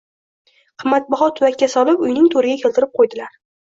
qimmatbaho tuvakka solib, uyning to’riga keltirib qo’ydilar.